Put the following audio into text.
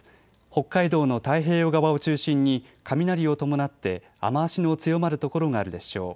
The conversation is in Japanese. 北海道の太平洋側を中心に雷を伴って雨足の強まる所があるでしょう。